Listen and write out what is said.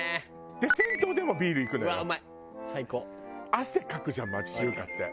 汗かくじゃん町中華って。